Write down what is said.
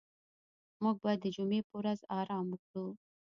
موږ به د جمعې په ورځ آرام وکړو.